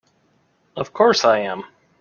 Of course I am!